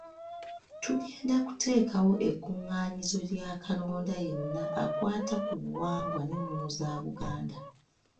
Tugenda kuteekawo ekkuŋŋaanyizo lya kalonda yenna akwata ku buwangwa n’ennono za Buganda.